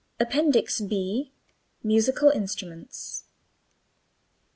APPENDIX B MUSICAL INSTRUMENTS 1.